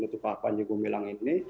untuk pak panjago milang ini